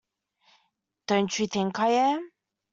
Don’t you think I am?